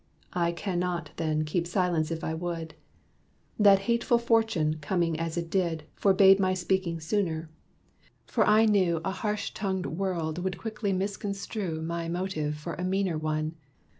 I can not, then, keep silence if I would. That hateful fortune, coming as it did, Forbade my speaking sooner; for I knew A harsh tongued world would quickly misconstrue My motive for a meaner one.